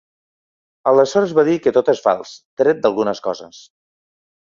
Aleshores va dir que ‘tot és fals, tret d’algunes coses’.